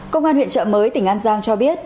công an huyện trợ mới tỉnh an giang cho biết